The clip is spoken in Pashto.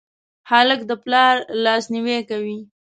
هلک د پلار لاسنیوی کوي.